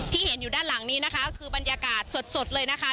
เห็นอยู่ด้านหลังนี้นะคะคือบรรยากาศสดเลยนะคะ